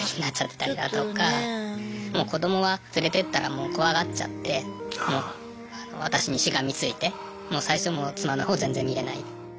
もう子どもは連れてったらもう怖がっちゃって私にしがみついて最初妻のほう全然見れない。